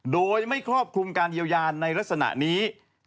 โดยไม่ครอบคลุมการเยียวยาในลักษณะนี้